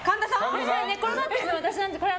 寝転がってるの私なんです。